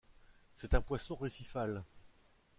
C'est un poisson récifal.